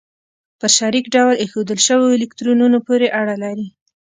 په شریک ډول ایښودل شوو الکترونونو پورې اړه لري.